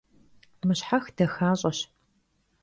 Mışhex daxaş'eş.